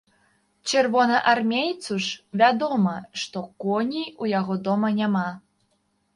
Чырвонаармейцу ж вядома, што коней у яго дома няма!